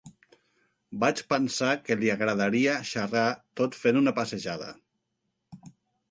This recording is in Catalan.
Vaig pensar que li agradaria xerrar tot fent una passejada.